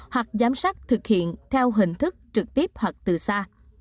hoặc giám sát thực hiện theo hình thức trực tiếp hoặc từ xa